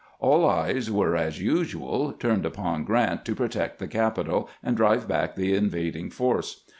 All eyes were, as usual, turned upon Grrant to protect the capital and drive back the invading force.